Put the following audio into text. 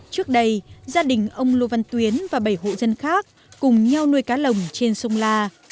trước đây gia đình ông lô văn tuyến và bảy hộ dân khác cùng nhau nuôi cá lồng trên sông la